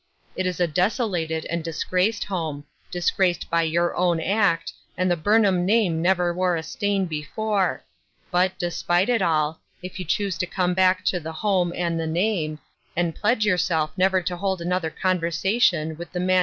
It is a desolated and disgraced home ; disgraced by your own act, and the Burnham name never wore a stain before ; but, despite it all, if you choose to come back to the home and the name, and pledge yourself never to hold another conversation with the man who "o, mamma!